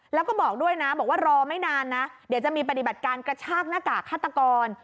แล้วก็บอกด้วยนะบอกว่ารอไม่นานนะเดี๋ยวจะมีปฏิบัติการกระชากหน้ากากฆาตกร